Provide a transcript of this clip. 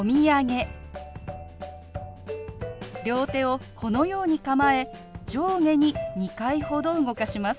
両手をこのように構え上下に２回ほど動かします。